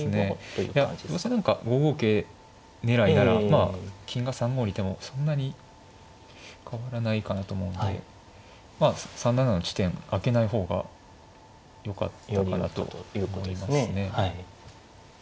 どうせ何か５五桂狙いならまあ金が３五にいてもそんなに変わらないかなと思うんで３七の地点空けない方がよかったかなと思いますね。